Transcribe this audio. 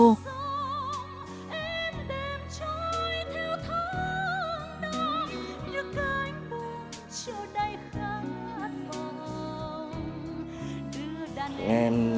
nghe cái giai điệu của bài hát đó thì tôi tự nhận chính bản thân mình là một người giáo truyền thống của nhà trường